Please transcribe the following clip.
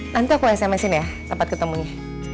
nanti aku smsin ya tempat ketemunya